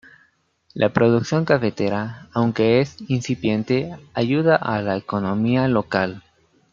La producción cafetera, aunque es incipiente, ayuda a la economía local.